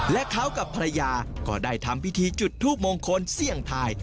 และเขากับภรรยาก็ได้ทำพิธีจุดทูปมงคลเสี่ยงทาย